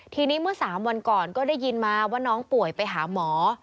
ทีนี้เมื่อ๓วันก่อนก็ได้ยินมาว่าน้องป่วยไปหาหมอ